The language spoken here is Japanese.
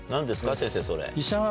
先生それ。